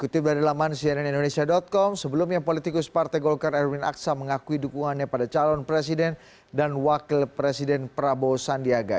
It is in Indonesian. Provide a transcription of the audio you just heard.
tapi pada saat partai golkar erwin aksa mengakui dukungannya pada calon presiden dan wakil presiden prabowo sandiaga